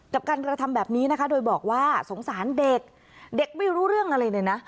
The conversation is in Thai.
กับการกระทำแบบนี้นะคะโดยบอกว่าสงสารเด็กเด็กไม่รู้เรื่องอะไรเลยนะ